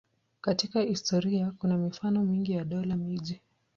Katika historia kuna mifano mingi ya dola-miji.